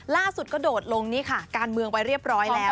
ล่าสุดกระโดดลงนี่ค่ะการเมืองไปเรียบร้อยแล้ว